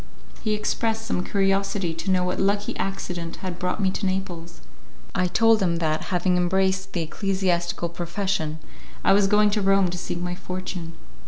He expressed some curiosity to know what lucky accident had brought me to Naples; I told him that, having embraced the ecclesiastical profession, I was going to Rome to seek my fortune.